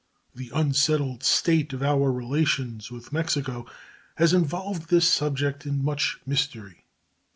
The unsettled state of our relations with Mexico has involved this subject in much mystery.